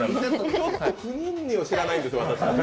ちょっと「くにんに」を知らないんです、私。